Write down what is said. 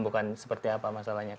bukan seperti apa masalahnya